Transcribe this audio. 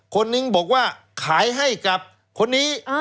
คนนึงบอกว่าขายให้กับคนนี้